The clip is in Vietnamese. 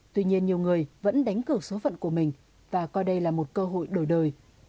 tuy nhiên nhiều người vẫn đánh cử số phận của mình và coi đây là một cơ hội đổi đời